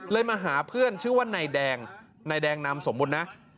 เลยมาหาเพื่อนชื่อว่านายแดงนายแดงนำสมบูรณ์นะ